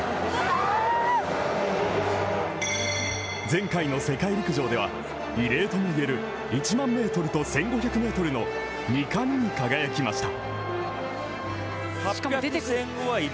前回の世界陸上では異例ともいえる１００００ｍと１５００ｍの二冠に輝きました。